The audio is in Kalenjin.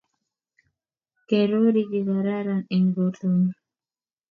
kerori kikararan eng bortongung.